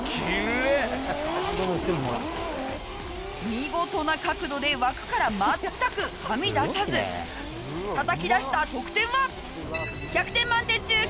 見事な角度で枠から全くはみ出さずたたき出した得点は？